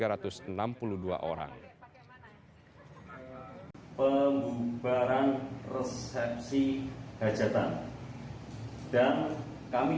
kota fair embarang resepsi dan tambah ngacil